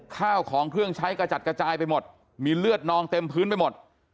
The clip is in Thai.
ข้าวของเครื่องใช้กระจัดกระจายไปหมดมีเลือดนองเต็มพื้นไปหมด